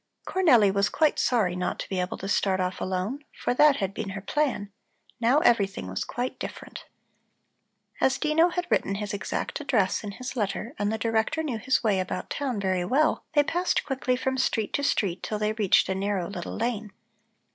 Cornelli was quite sorry not to be able to start off alone, for that had been her plan. Now everything was quite different. As Dino had written his exact address in his letter and the Director knew his way about town very well, they passed quickly from street to street till they reached a narrow little lane.